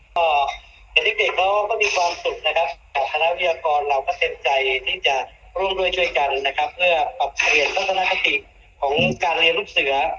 พอเด็กเด็กเขาก็มีความสุขนะครับแต่ธนาภิกรเราก็เต็มใจที่จะร่วมด้วยช่วยกันนะครับเพื่อออกเปลี่ยนสัตว์นาภิกษ์ของการเรียนลูกเสือ